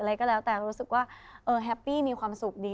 อะไรก็แล้วแต่รู้สึกว่าแฮปปี้มีความสุขดี